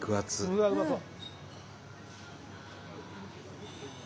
うわっうまそう。